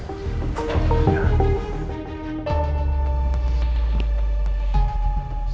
terima kasih pak